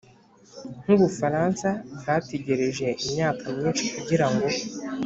nk'u bufaransa bwategereje imyaka myinshi kugira ngo